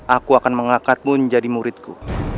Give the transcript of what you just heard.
aku akan mengangkatmu menjadi muridku